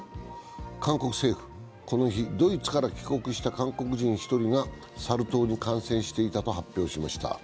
韓国政府はこの日、ドイツから帰国した韓国人１人がサル痘に感染していたと発表しました。